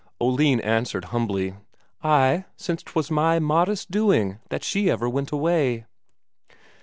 Oline answered humbly: "Ay, since 'twas my modest doing that she ever went away."